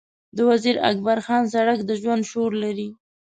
د وزیر اکبرخان سړک د ژوند شور لري.